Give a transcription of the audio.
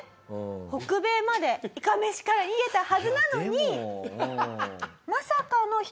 北米までいかめしから逃げたはずなのに。